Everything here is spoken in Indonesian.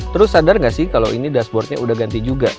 terus sadar gak sih kalau ini dashboardnya udah ganti juga